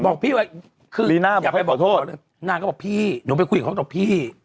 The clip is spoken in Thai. บอกพี่ว่าคือลีน่าบอกให้ขอโทษนางก็บอกพี่หนูไปคุยกับเขาบอกพี่